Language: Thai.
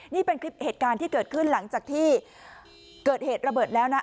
นี่เป็นคลิปเหตุการณ์ที่เกิดขึ้นหลังจากที่เกิดเหตุระเบิดแล้วนะ